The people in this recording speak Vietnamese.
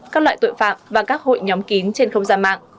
các loại tội phạm và các hội nhóm kín trên không gian mạng